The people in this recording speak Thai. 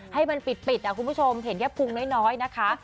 ให้มันปิดคุณผู้ชมเห็นแค่พุงน้อยนะคะ